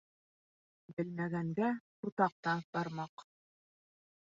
Белмәгәнгә ботаҡ та бармаҡ.